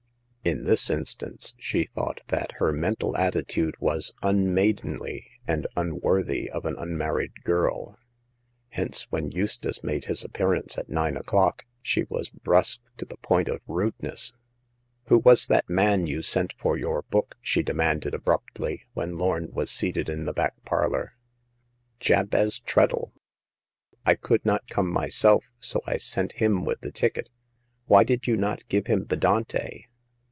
In this instance, she thought that her mental attitude was unmaidenly and unworthy of an unmarried girl. Hence, when Eustace made his appearance at nine o'clock, she was brusque to the verge of rudeness. Who was that man you sent for your book ?" she demanded, abruptly, when Lorn was seated in the back parlor. " Jabez Treadle. I could not come myself, so I sent him with the ticket. Why did you not give him the Dante